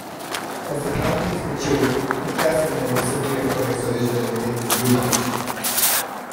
As the plantings matured, the castle has disappeared from its original intended viewpoint.